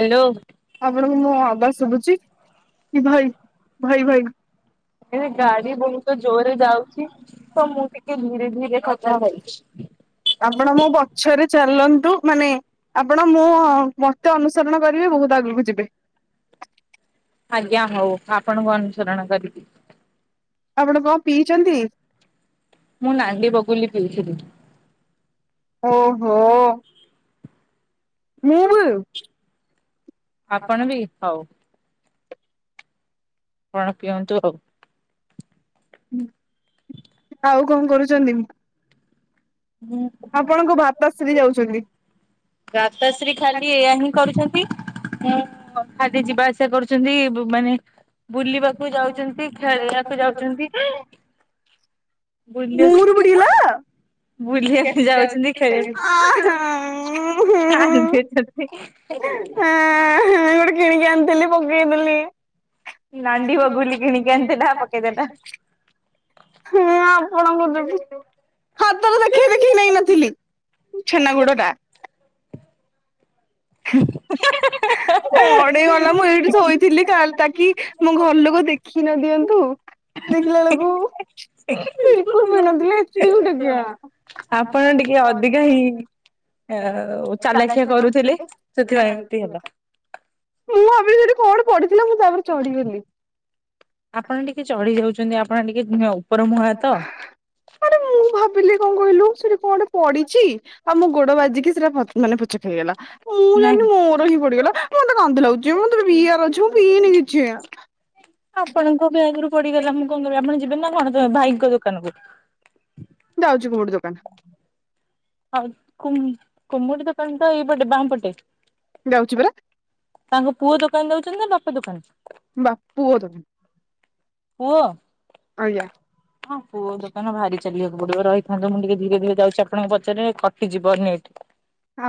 Hello. ଆପଣଙ୍କୁ ମୁଁ ଆବାସ ଶୁଭୁଚି କି ଭାଇ? ଭାଇ ଭାଇ। ଏଣେ ଗାଡି ବହୁତ ଜୋରେରେ ଯାଉଛି। ତ ମୁଁ ଟି କେ ଧୀରେ ଧୀରେ ଖଥା କରୁଛି। ଆପଣ ମୋ ପଛରେ ଚାଲନ୍ତୁ। ମାନେ ଆପଣ ମୁଁ ମତ ଅନୁସରଣ କରିବେ ବହୁତ ଆଗକୁ ଯିବେ। ଆଜ୍ଞା ହଉ ଆପଣଙ୍କୁ ଅନୁସରଣ କରିବି। ଆପଣ କଣ ପିଇଛନ୍ତି? ମୁଁ ନାଣ୍ଡି ବଗୁଲି ପିଇଥିଲି। ଓହୋ। ମୁଁ ବି। ଆପଣ ବି ହଉ। ଆପଣ ପିଅନ୍ତୁ ଆଉ। ଆଉ କଣ କରୁଛନ୍ତି? ମୁଁ ଆପଣଙ୍କ ଭାତାଶ୍ରୀ ଯାଉଛନ୍ତି। ଗାତାଶ୍ରୀ ଖାଲି ଏଇଆ ହିଁ କରୁଛନ୍ତି। ଖାଦ ଯିବା ଆସିବା କରୁଛନ୍ତି ମାନେ ବୁଲିବାକୁ ଯାଉଛନ୍ତି ଖେଳିବାକୁ ଯାଉଛନ୍ତି। ମୁଁରୁ ବୁଲିବା ବୁଡିଗଲା। ବୁଲିବାକୁ ଯାଉଛନ୍ତି। ଖେଳିବାକୁ କାନ୍ଦୁଛନ୍ତି। ଗୋଟେ କିଣିକି ଆଣିଥିଲି ପକେଇ ଦେଲି। ନାଣ୍ଡି ବଗୁଲି କିଣିକି ଆଣିଚି ଆଣିଥିଲା ତା ପକେଇଦଲା। ହଁ ଆପଣଙ୍କ ଯୋଗୁଁ। ହାତର ଦେଖେଇ ଦେଖେଇ ନେଇ ନଥିଲି। ଛେନାଗୁଡ ଟା। [unintelligible] ଅଡେଇ ଗଲା ମୁଁ ଏଇଠି ଶୋଇଥିଲି କା ତାକି ମୋ ଘର ଲୋକ ଦେଖି ନ ଦିଅନ୍ତୁ। ଦେଖିଲା ବେଳକୁ ବିଲକୁଲ ପିଇନଥିଲା ଏତିକି ଟଙ୍କିଆ। ଆପଣ ଟିକେ ଅଧିକା ହିଁ ଆ ଚାଲାଖିଆ କରୁଥିଲେ ସେଥିପାଇଁ ଏମତି ହେଲା। ମୁଁ ଭାବିଲି ସେଠି ଗୋଟେ କଣ ପଢିଥିଲା ମୁଁ ତା ଉପରେ ଚଢିଗଲି। ଆପଣ ଟିକେ ଚଢି ଯାଉଛନ୍ତି। ଆପଣ ଟିକେଁ ଉପର ମୁହାଁ ତ। କେ ମୁଁ ଭାବିଲି କଣ କହିଲୁ ସେଠି କଣ ଗୋଟେ ପଡିଛି। ଆଉ ମୁଁ ଗୋଡ ବାଜିକି ସେଟା ଫ ମାନେ ପୂଚକ ହେଇଗଲା ଜାଣିନି ନାଇଁ ମୋର ହିଁ ପଡିଗଲା। ମୁଁ ମତେ କାନ୍ଦ ଲାଗୁଛି ମତେ ପିଇବାର ଅଛି ମୁଁ ପିଇନି କିଛି। ଆପଣଙ୍କ ବ୍ୟାଗ୍ ରୁ ପଡିଗଲା ମୁଁ କଣ କରିବି ଆପଣ ଯିବେନି ନା ତ କଣ ଭାଇଙ୍କ ଦୋକାନ କୁ।। ଯାଉଛି କୋଉଠି ଦୋକାନ। ହଉ କୁମ୍ କୁମୁଟି ଦୋକାନ ଏଇ ପଟେ ବାଁ ପଟେ। ଯାଉଛି ପରା। ତାଙ୍କ ପୁଅ ଦୋକାନ ଦଉଛନ୍ତି ନା ବାପା ଦୋକାନ? ବା ପୁଅ ଦୋକାନ। ପୁଅ? ଆଜ୍ଞା। ହଁ ପୁଅ ଦୋକାନ ଭାରି ଚାଲିବାକୁ ପଡିବ ରହିଥାନ୍ତୁ ମୁଁ ଟିକେ ଧୀରେ ଧୀରେ ଯାଉଛି ଆପଣଙ୍କୁ ପଚାରରେ କଟିଯିବ ନେଟ।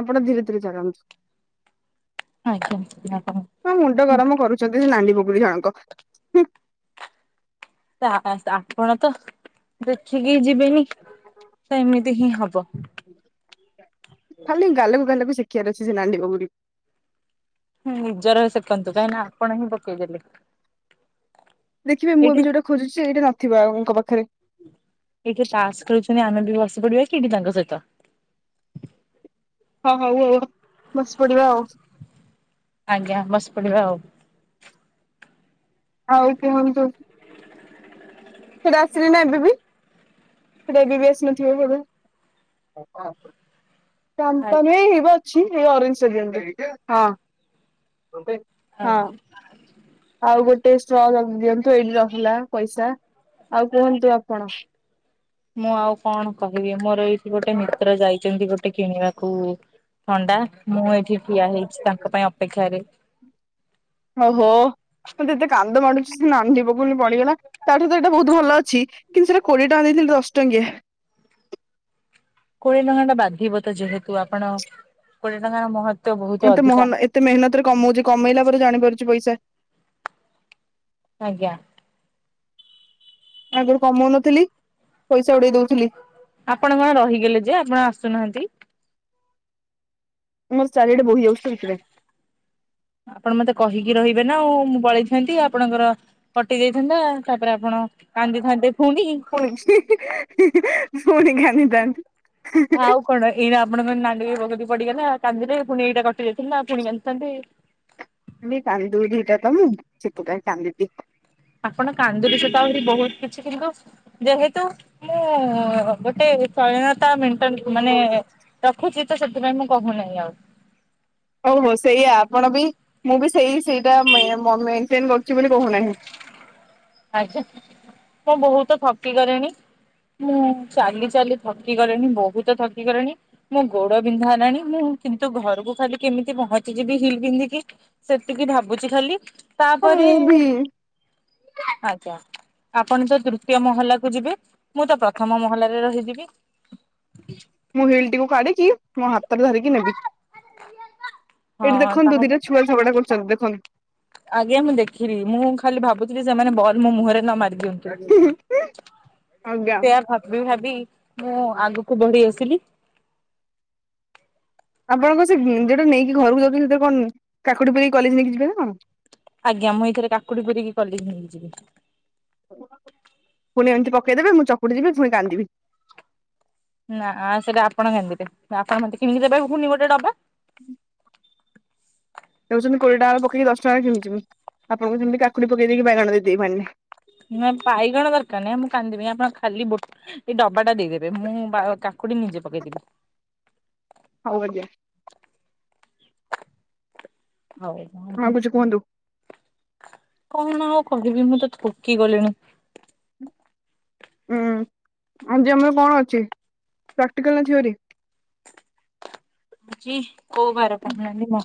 ଆପଣ ଧୀରେ ଧୀରେ ଚାଲନ୍ତୁ। ଆଜ୍ଞା ହ ମୁଣ୍ଡ ଗରମ କରୁଛନ୍ତି ସେ ନାଲି ବଗୁଲି ଜଣକ। ହୁଁ। ତା ଆପଣ ତ ଦେଖିକି ଯିବେନି ତ ଏମିତି ହିଁ ହବ। ଖାଲି ଗାଲକୁ ଗାଲକୁ ସେକିବାର ଅଛି ସେ ନାଣ୍ଡି ବଗୁଲି। ହୁଁ ନିଜର ସେକନ୍ତୁ କାହିଁକିନା ଆପଣ ହିଁ ପକେଇ ଦେଲେ। ଦେଖିବେ ମୁଁ ଏ ବି ଯୋଉଟା ଖୋଜୁଛି ଏଇଟା ନଥିବ ଆଙ୍କ ପାଖରେ। ଏଇ କିଏ ତାସ୍ ଖେଳୁଛନ୍ତି ଆମେ ବି ବସି ପଡିବା କି ଏଇଠି ତାଙ୍କ ସହିତ। ହଁ ହଉ ଆଉ ବସିପଡିବା ଆଉ। ଆଜ୍ଞା ବସି ପଢଡିବା ଆଉ। ଆଉ କୁହନ୍ତୁ। ସେଟା ଆସିଲି ନା ଏବେ ବି ସେଟା ଏବେ ବି ଆସିନଥିବ ବୋଧେ। [unintelligible] ଚାନ୍ତା ଆଜ୍ଞା। ନାହିଁ ହେଇ ଅଛି ଏଇ ଅରେଞ୍ଜ ହଁ। ହଁ ଆଜ୍ଞା। ଆଉ ଗୋଟେ ଷ୍ଟ୍ର ଦିଅନ୍ତୁ ଏଇଠି ରହିଲା ପଇସା ଆଉ କୁହନ୍ତୁ ଆପଣ। ମୁଁ ଆଉ କଣ କହିବି ମୋର ଏଇଠି ଗୋଟେ ମିତ୍ର ଯାଇଛନ୍ତି ଗୋଟେ କିଣିବାକୁ। ଥଣ୍ଡା ମୁଁ ଏଠି ଠିଆ ହେଇଚି ତାଙ୍କ ପାଇଁ ଅପେକ୍ଷାରେ। ଓହୋ ମତେ ଏତେ କାନ୍ଦ ମାଡୁଛି ସେ ନାନ୍ଦୀ ବଗୁଲି ପଡିଗଲା। ତାଠୁ ତ ଏଇଟା ବହୁତ ଭଲ ଅଛି। କିନ୍ତୁ ସେଟା କୋଡିଏ ଟଙ୍କା ଦେଇଥିଲି ଏଟା ଦଶଟଙ୍କିଆ। କୋଡିଏ ଟଙ୍କା ଟା ବାଧିବ ତ ଯେହେତୁ ଆପଣ କୋଡିଏ ଟଙ୍କାର ମହତ୍ ଏତେ ମହନ ଏତେ ମେହନତରେ କମଉଚି କମେଇଲା ପରେ ଜାଣିପାରୁଚି ପଇସା। ଆଜ୍ଞା। ଆଗରୁ କମଉନଥିଲି, ପଇସା ଉଡେଇ ଦଉଥିଲି। ଆପଣ କଣ ରହିଗଲେ ଯେ ଆପଣ ଆସୁନାହାନ୍ତି। ମୋର ଚାରିଆଡେ ବୋହି ଯାଉଚି ତ ସେଥିପାଇଁ। ଆପଣ ମତେ କହିକି ରହିବେ ନା ଆଉ ମୁଁ ପଳେଇଥାନ୍ତି। ଆପଣଙ୍କର କଟି ଯାଇଥାନ୍ତା। ତା ପରେ ଆପଣ କାନ୍ଦିଥାନ୍ତେ ଫୁଣି। [unintelligible] ହିଁ ହିଁ, ପୁଣି କାନ୍ଦିଥାନ୍ତି। ଆଉ କଣ ଏଇ ଆପଣଙ୍କ ନାଡିଂବଗୁଲି ପଡିଗଲା, କାନ୍ଦିବେ ଫୁଣି ଏଇଟା କଟି ଯାଇଥାନ୍ତା ଆଉ ଫୁଣି କାନ୍ଦିଥାନ୍ତେ। ଖାଲି କାନ୍ଦୁରି ଟା ତ ମୁଁ ସେଥିପାଇଁ କାନ୍ଦୁଚି। ଆପଣ କାନ୍ଦୁରି ସହିତ ଆହୁରି ବହୁତ୍ କିଛି। କିନ୍ତୁ ଯେହେତୁ ମୁଁ ଗୋଟେ ସଇଳତା ମେଟେନ୍ ମାନେ ରଖୁଚି ତ ସେଥିପାଇଁ ମୁଁ କହୁନାହିଁ ଆଉ। ହଉ ହଉ ସେଇଆା ଆପଣ ବି ମୁଁ ବି ସେଇ ସେଇଟା ମ ମେଟେନ୍ କରୁଚି ବୋଲି କହୁନାହିଁ। ଆଜ୍ଞା, ମୁଁ ବହୁତ ଥକିଗଲେଣି। ମୁଁ ଚାଲି, ଚାଲି ଥକି ଗଲେଣି ବହୁତ ଥକି ଗଲେଣି। ମୋ ଗୋଡ ବିନ୍ଧା ହେଲାଣି ମୁଁ କିନ୍ତୁ ଘରକୁ ଖାଲି କେମିତି ପହଞ୍ଚି ଯିବି ହିଲ୍ ପିନ୍ଧିକି ସେତିକି ଭାବୁଚି ଖାଲି। ହଁ ତାପରେ ମୁଁ ବି ଆଜ୍ଞା ଆପଣ ତ ତୃତୀୟ ମହଲା କୁ ଯିବେ ମୁଁ ତ ପ୍ରଥମ ମହଲାରେ ରହିଯିବି। ମୁଁ ହିଲ୍ ଟିକୁ କାଢିକି ମୋ ହାତରେ ଧରିକି ନେବି। ଏଇଠି ହଁ ଦେଖନ୍ତୁ ତାହା ଦିଟା ଛୁ ଛୁଆ ଝଗଡା କରୁଚନ୍ତି ଦେଖନ୍ତୁ। ଆଜ୍ଞା ମୁଁ ଦେଖିଲି, ମୁଁ ଖାଲି ଭାବୁଥିଲି ସେମାନେ ବଲ୍ ମୋ ମୁହଁରେ ନ ମାରିଦିଅନ୍ତୁ। ଆଜ୍ଞା। ସେୟା ଭାବି ଭାବି ମୁଁ ଆଗକୁ ବଢି ଆସିଲି। ଆପଣଙ୍କ ସେ ଗେ ଯୋଉଟା ନେଇକି ଘରକୁ ଯାଉଚନ୍ତି, ସେଟା କଣ କାକୁଡି ପୁରେଇ କଲେଜ୍ ନେଇକି ଯିବେ ନା କଣ? ଆଜ୍ଞା ମୁଁ ଏଇଥିରେ କାକୁଡି ପୁରେଇକି କଲେଜ୍ ନେଇକି ଯିବି। ପୁଣି ଏମିତି ପକେଇଦେବେ ମୁଁ ଚକୁଟି ଦେବି ଫୁଣି କାନ୍ଦିବି। ନା, ସେଇଟା ଆପଣ କାନ୍ଦିବେ, ଆପଣ ମତେ କିଣିକି ଦେବେ ଫୁଣି ଗୋଟେ ଡବା। ଏ ହଉଚି କୋଡିଏ ଟାଙ୍କ ପକେଇ ଦଶ ଟଙ୍କା କିଣିଚି ମୁଁ ଆପଣଙ୍କୁ ସେମତି କାକୁଡି ପକେଇ ଦେଇକି ବାଇଗଣ ଦେଇଦେବି ପାଣିରେ। ନା ପାଇଗଣ ଦରକାର ନାହିଁ। ମୁଁ କାନ୍ଦିବି ଆପଣ ଖାଲି ବୋଟ୍ ଏଇ ଡବାଟା ଦେଇଦେବେ ମୁଁ ବା କାକୁଡି ନିଜେ ପକେଇଦେବି। ହଉ ଆଜ୍ଞା। ହଉ ଆଉ କିଛି କୁହନ୍ତୁ? କଣ ଆଉ କହିବି ମୁଁ ତ ଥକି ଗଲିଣି। ଉଁ, ଆଜି ଆମର କଣ ଅଛି, ପ୍ରାଟିକାଲ୍ ଅଛି ଥ୍ଵଓରି। ଇହ୍ କୋଉ ବାର କାଟୁନାହାନ୍ତି ମ,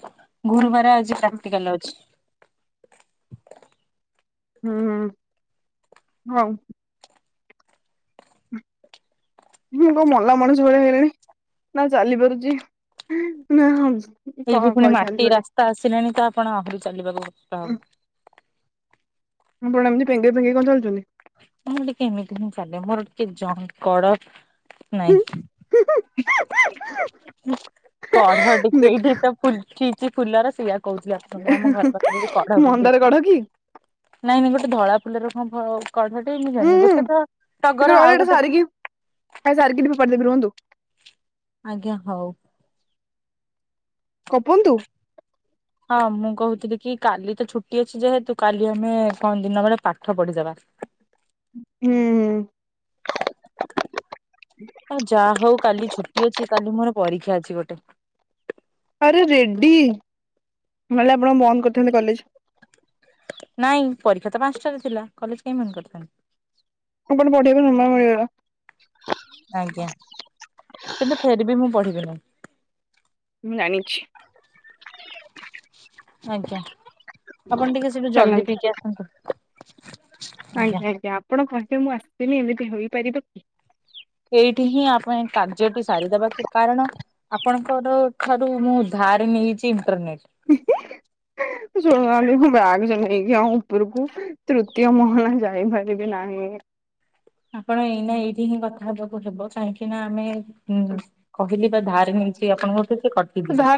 ଗୁରୁବାରେ ଆଜି ପ୍ରାକ୍ଟିକାଲ୍ ଅଛି। ହୁଁ ହୁଁ ହଉ। ହ [unintelligible] ମୁଁ କଁ ମଲା ମଣିଷ ଭଳିଆ ହେଇଗଲାଣି ନା ଚାଲି ପାରୁଛି ନା ହମ୍ସ ଏଇଠି ପୁଣି ମାଟି ରାସ୍ତା ଆସିଲାଣି ତ ଆପଣ ଆହୁରି ଚାଲିବାକୁ କଷ୍ଟ ହବ। ଆପଣ ଏମତି ପେଙ୍ଗେଇ ପେଙ୍ଗେଇ କଣ ଚାଲୁଚନ୍ତି? ମୁଁ ଟିକେ ଏମିତି ହିଁ ଚାଲେ, ମୋର ଟିକେ ଜଙ୍କ୍ କଡ ନାଇଁ ଉଁ କଢ ଟିକେ ଏଠି ଦେଖ ତ ଫୁଲ୍ କିଚି ଫୁଲର ସେଇଆକୁ। କହୁଚି ଆସନ୍ତୁ ଆମ ଘର ପାଖରେ ବି କଢ ଫୁଟିତ। ମନ୍ଦାର କଢ କି ନାଇଁ ନାଇଁ ଗୋଟେ ଧଳା ଫୁଲର କଣ କଢଟେ ମୁଁ ଜାଣିନି, ଉଁ ଗୋଟେ ତ ଟିକେ ଟଗର, ରହିଲେ ଆଉ ଏଇଟା ଗୋଟେ? ସାରିକି ଆ ସାର କିେ ପଦ ବି୍ରହୁ [unintelligible] ଆଜ୍ଞା ହଉ। ଗପନ୍ତୁ। ହଁ ମୁଁ କହୁଥିଲି କି କାଲି ତ ଛୁଟି ଅଛି ଯେହେତୁ କାଲି ଆମେ କଣ ଦିନ ବେଳେ ପାଠ ପଢିଦବା। ହୁଁ। ଆ ଯାହା ହଉ କାଲି ଛୁଟି ଅଛି କାଲି ମୋର ପରୀକ୍ଷା ଅଛି ଗୋଟେ। ଆରେ ରେଡ଼ି ନଲେ ଆପଣ ବନ୍ଦ କରିଦିଅନ୍ତୁ କଲେଜ। ନାଇଁ ପରୀକ୍ଷା ତ ପାଞ୍ଚଟାରେ ଥିଲା କଲେଜ କାହିଁ ବନ୍ଦ କରିଥାନ୍ତେ। ଆପଣ ପଢି ଆକୁ ସମୟ ମିଳିଗଲା। ଆଜ୍ଞା କିନ୍ତୁ ଫେର ବିି ମୁଁ ପଢିବି ନାହିଁ। ମୁଁ ଜାଣିଛି। ଆଜ୍ଞା ଆପଣ ଟିକେ ସେଇଠୁ ଚାଲନ୍ତୁ। ଜଲଦି ପିଇକି ଆସନ୍ତୁ। ଆଜ୍ଞା ଆଜ୍ଞା ଆପଣ କହିବେ ମୁଁ ଆସିିନି ଏମିତି ହେଇପାରିବ କି? ଏଇଠି ହିଁ ଆପେଁ କାର୍ଯ୍ୟଟି ସାରିଦବା କି କାରଣ ଆପଣଙ୍କର ଠାରୁ ମୁଁ ଦ୍ଧାର ନେଇଛି ଇଣ୍ଟରନେଟ। [inaudible] ଶୁଣ ଆଉ ମୁଁ ବାଗ ସହ ନେଇକି ଆଉ ଉପରକୁ ତୃତୀୟ ମହଲା ଯାଇପାରିବି ନାହିଁ। ଆପଣ ଏଇନା ଏଇଠି ହିଁ କଥା ହେବାକୁ ହେବ କାହିଁକି ନା ଆମେ ହୁଁ କହିଲି ବା ଧାର ନେଇଛି ଆପଣଙ୍କ ଠୁ ସେ କଟିଯିବ।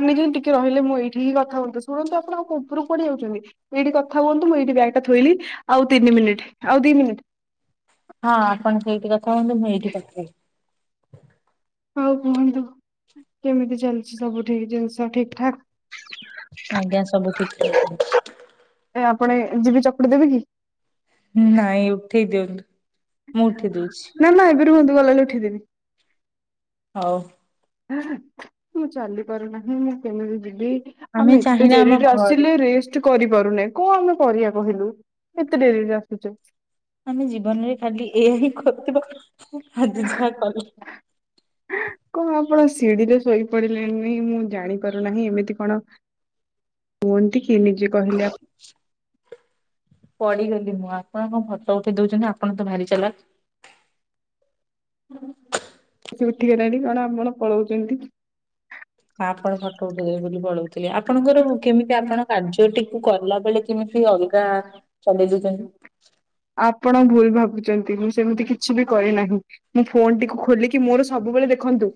କେ ରହିଲେ ମୁଁ ଏଇଠି ହି କଥା ହୁଅନ୍ତୁ ଶୁଣନ୍ତୁ ଆପଣ ଆଉ ଉପରୁକୁ କୁଆଡ଼େ ଯାଉଛନ୍ତି ଏଇଠି କଥା ହୁଅନ୍ତୁ ମୁଁଏଇଠି ବ୍ୟାଗ୍ ଟା ଥୋଇଲି ଆଉ ତିନି ମିନିଟ୍ ଆଉ ଦି ମିନିଟ୍ ହଁ ଆପଣ ସେଇଠି କଥା ହୁଅନ୍ତୁ ମୁଁ ଏଇଠି କଥାହେବି। ହଉ କୁହନ୍ତୁ କେମିତି ଚାଲିଛି ସବୁ ଠିକ ଜିନିଷ ଠିକ୍ ଠାକ୍ ଆଜ୍ଞା ସବୁ ଠିକ [inaudible] ଚାଲିଚି। ଏ ଆପଣ ଏ ଯିବି ଚକୁଡି ଦେବେ କି? ନାଇଁ ଉଠେଇ ଦିଅନ୍ତୁ। ମୁଁ ଉଠେଇ ଦଉଛି ନା ନା ଏବେ ରୁହନ୍ତୁ ଗଲାଳେ ଉଠେଇଦେବି। ହଉ ମୁଁ ଚାଲି ପାରୁନାହିଁ ମୁଁ କେମିତି ଯିବି? ଆମେ ଏତେ ଚାହିଁଲେ ଆମ ଡେରିରେ ଘରେ ଆସିଲେ ରେଷ୍ଟ କରିପାରୁନେ କଣ ଆମେ କରିବା କହିଲୁ। କେତେ ଡେରିରି ଆସୁଛ। ଆମେ ଜୀବନରେ ଖାଲି ଏୟା ହିଁ କରୁଥିବ ଆଜି ଯାହା କଲ କଣ ଆପଣ ସିଡିିରେ ଶୋଇପଡିଲେଣିି ମୁଁ ଜାଣିପାରୁନାହିଁ ଏମିତି କଣ କୁହନ୍ତି କି ନିଜେ କହିଲେ ଆ [inaudible] ପଡିଗଲି ମୁଁ ଆପଣଙ୍କଣ ଫଟ ଉଠେଇ ଦଉଛନ୍ତି ଆପଣ ତ ଭାରି ଚାଲାକ୍। ସେ ଉଠି ଗଲାଣି କଣ ଆପଣ ପଳଉଛନ୍ତି? ଆପଣ ଫଟୋ ଉଠିଇଦେବେ ବୋଲି ପଳଉ ଥିଲି ଆପଣଙ୍କର କେମିତି ଆପଣ କାର୍ଯ୍ୟଟିକୁ କଲା ବେଳେ କେମିତି ଅଲଗା ଚଲେଇ ଦଉଛନ୍ତି। ଆପଣ ଭୁଲ ଭାବୁଛନ୍ତି ମୁଁ ସେମିତି କିଛି ବି କରିନାହିଁ। ମୁଁ ଫୋନ ଟି ଖୋଲିକି ମୋର ସବୁବେଳେ ଦେଖନ୍ତୁ।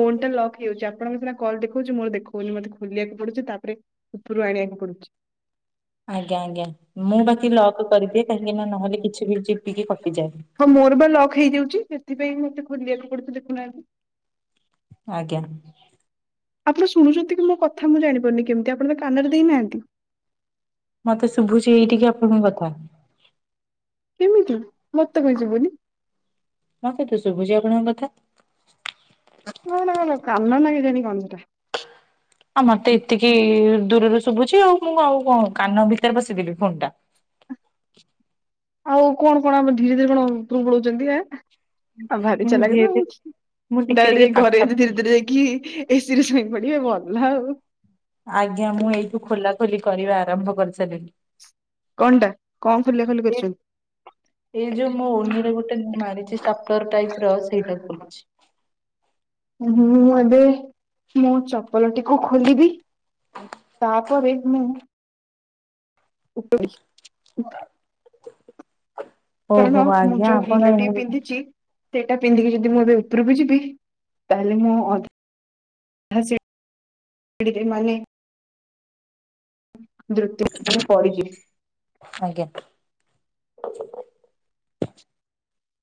ଫୋନ ଟା ଲକ୍ ହେଇଯାଉଛି ଆପଣଙ୍କ ସେରା କଲ ଦେଖଉଛି ମୋର ଦେଖଉନି ମତେ ଖୋଲିବାକୁ ପଡୁଛି ତାପରେ ଉପରୁ ଆଣିବାକୁ ପଡୁଛି। ଆଜ୍ଞା ଆଜ୍ଞା ମୁଁ ବା କି ଲକ୍ କରିଦିଏ କାହିଁକି ନା ନହେଲେ କିଛି ବି ଯିପିକି କଟିଯାଏ। ହଁ ମୋର ବା ଲକ୍ ହେଇଯାଉଛି ସେଥିପାଇଁ ମୁଁ ଏତେ ଖୋଲିବାକୁ ପଡୁଛି ଦେଖୁନାହାନ୍ତି। ଆଜ୍ଞା। ଆପଣ ଶୁଣୁଛନ୍ତି କି ମୋ କଥା ମୁଁ ଜାଣିପାରୁନି କେମିତି ଆପଣ ତ କାନରେ ଦେଇନାହାନ୍ତି। ମତେ ଶୁଭୁଛି ଏଇଠିକି ଆପଣଙ୍କୁ କଥା। କେମିତି ମତେ କାଇଁ ଶୁବୁନି? ମତେ ତୁ ଶୁଭୁଛି ଆପଣଙ୍କ କଥା। [unintelligible] କାନରେ ନଗେ଼ଇଚନ୍ତି କଣଟା। ହଁ ମତେ ଏତିକି ଦୂରରୁ ଶୁଭୁଛି ଆଉ ମୁଁ ଆଉ କଣ କଣ କାନ ଭିତରେ ପସିଦେବି ଫୁନ୍ ଟା। ଆଉ କଣ କଣ ଆମ ଧୀରେ ଧୀରେ କଣ ଉପୁରୁକୁ ପଳଉଛନ୍ତି ଆଁ। ଆଉ ଭାରି ମୁଁ ଚାଲାକ୍ ଧୀରେ ତ ଆଉ ଧୀରେ ମୁଁ ଟିକେ ଡାଇରେକ୍ଟ ଟିକେ ଯାକି ଘରେ ପାଖା ଏ ଧୀରେ ଧୀରେ ହେଇକି ଏସିରେ ଶୋଇ ପଡ଼ିବେ ଭଲ ଆଉ। ଆଜ୍ଞା ମୁଁ ଏଇଠୁ ଖୋଲା ଖୋଲି କରିବା ଆରମ୍ଭ କରି ସାରିଲିଣି। କଣ ଟା କଣ ଖୋଲା ଖୋଲି କରିଛନ୍ତି? ଏଇ ଯୋଉ ମୋ ଓନିରେ ଗୋଟେ ମାରିଛି ଷ୍ଟାପଲର ଟାଇପ ର ସେଇଟା ଖୋଲୁଛି। ହୁଁ ମୁଁ ଏବେ ମୁଁ ଚପଲଟିକୁ ଖୋଲି। ବି ତାପରେ ମୁଁ ଉପରେ। କାରଣ ଓହୋ ମୁଁ ଆଜ୍ଞା ଯୋଉ ଆପଣ ରିଲାଟି ଏମିତି ପିନ୍ଧିଛି ସେଇଟା ପିନ୍ଧିକି ଯଦି ମୁଁ ଏବେ ଉପରକୁ ଯିବି ତାହେଲେ ମୁଁ ଅଧା ଅଧା ସିଟ ଛାଡିକିରି ମାନେ [unintelligible] ଆଜ୍ଞା।